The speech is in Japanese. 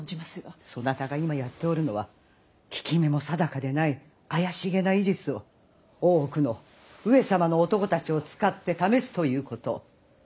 そなたが今やっておるのは効き目も定かでない怪しげな医術を大奥の上様の男たちを使って試すということ！